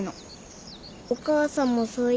お母さんもそう言ってた。